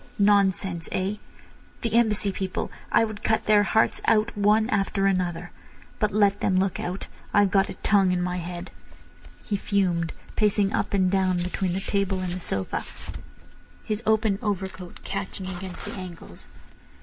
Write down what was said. "Nonsense—eh? The Embassy people! I would cut their hearts out one after another. But let them look out. I've got a tongue in my head." He fumed, pacing up and down between the table and the sofa, his open overcoat catching against the angles.